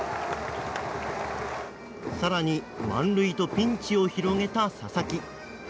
更に満塁とピンチを広げた佐々木。